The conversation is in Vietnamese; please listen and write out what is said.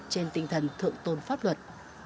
trên tinh thần thượng tôn pháp luật